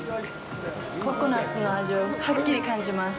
ココナッツの味を、はっきり感じます。